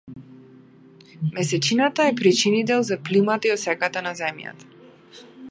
Месечината е причинител за плимата и осеката на Земјата.